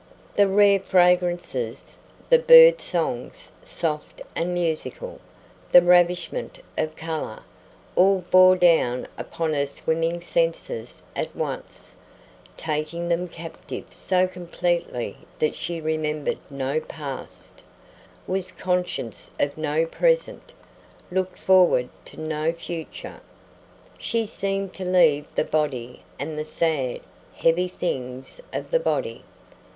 The rare fragrances, the bird songs, soft and musical, the ravishment of color, all bore down upon her swimming senses at once, taking them captive so completely that she remembered no past, was conscious of no present, looked forward to no future. She seemed to leave the body and the sad, heavy things of the body.